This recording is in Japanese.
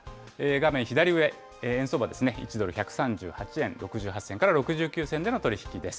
画面左上、円相場ですね、１ドル１３８円６８銭から６９銭での取